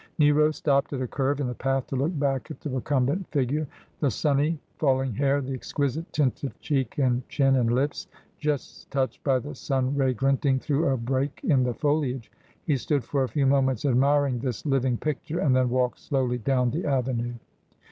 Nero stopped at a curve in the path to look back at the recumbent figure, the sunny falling hair, the exquisite tint of cheek and chin and lips, just touched by the sun ray glinting through a break in the foliage. He stood for a few moments admiring this living picture, and then walked slowly down the avenue.